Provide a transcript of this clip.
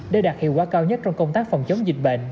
để đạt hiệu quả cao nhất trong công tác phòng chống dịch bệnh